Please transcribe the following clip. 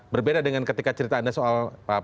berbeda dengan ketika cerita anda soal